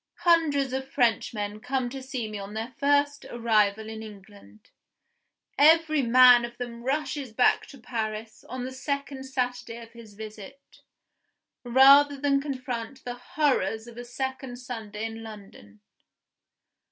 Hundreds of Frenchmen come to see me on their first arrival in England. Every man of them rushes back to Paris on the second Saturday of his visit, rather than confront the horrors of a second Sunday in London!